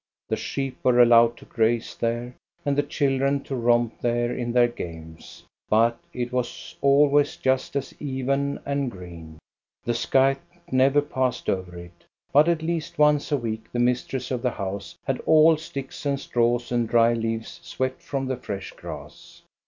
The sheep were allowed to graze there and the children to romp there in their games, but it was always just as even and green. The scythe never passed over it, but at least once a week the mistress 292 THE STORY OF GOSTA BE RUNG of the house had all sticks and straws and dry leaves swept from the fresh grass.